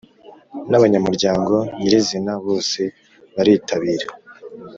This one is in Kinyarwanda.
N abanyamuryango nyirizina bose baritabira